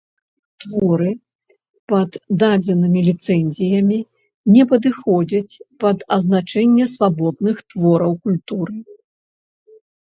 Творы пад дадзенымі ліцэнзіямі не падыходзяць пад азначэнне свабодных твораў культуры.